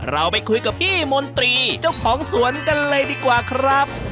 เราไปคุยกับพี่มนตรีเจ้าของสวนกันเลยดีกว่าครับ